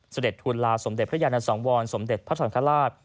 เสด็จทุนลาสมเด็จพระยานสังวรสมเด็จพระสังฆราช